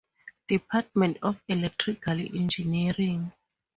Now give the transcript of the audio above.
Department of Electrical Engineering.